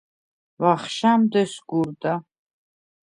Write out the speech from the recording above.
ვახშამდ ესგუ̄რდა.